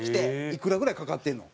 いくらぐらいかかってるの？